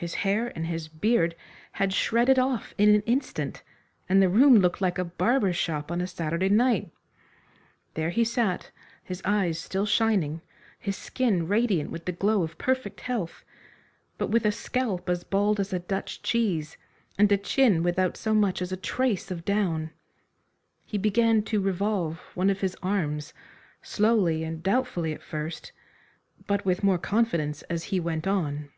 His hair and his beard had shredded off in an instant, and the room looked like a barber's shop on a Saturday night. There he sat, his eyes still shining, his skin radiant with the glow of perfect health, but with a scalp as bald as a Dutch cheese, and a chin without so much as a trace of down. He began to revolve one of his arms, slowly and doubtfully at first, but with more confidence as he went on.